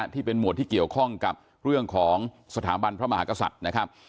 หมวดที่เกี่ยวข้องกับเรื่องของสถาบันพระมหากษัตริย์นะครับ